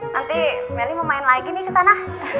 nanti meli mau main lagi nih ke sana